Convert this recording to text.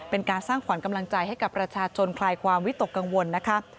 เป็นการสร้างขวัญกำลังใจให้กับประชาชนคลายความวิตกกังวลนะคะ